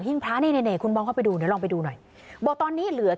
ไม่อยากให้แม่เป็นอะไรไปแล้วนอนร้องไห้แท่ทุกคืน